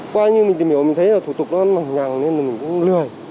qua như mình tìm hiểu mình thấy là thủ tục nó mỏng nhằng nên mình cũng lười